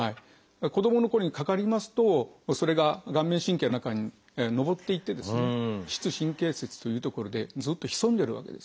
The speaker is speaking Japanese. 子どものころにかかりますとそれが顔面神経の中にのぼっていって「膝神経節」という所でずっと潜んでるわけです。